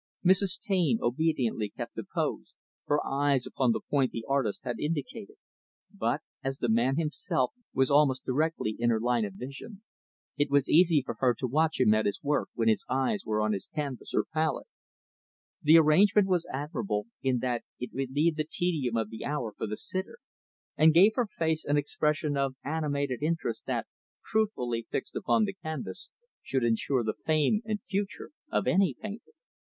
Mrs. Taine obediently kept the pose; her eyes upon the point the artist had indicated; but as the man, himself, was almost directly in her line of vision it was easy for her to watch him at his work, when his eyes were on his canvas or palette. The arrangement was admirable in that it relieved the tedium of the hour for the sitter; and gave her face an expression of animated interest that, truthfully fixed upon the canvas, should insure the fame and future of any painter.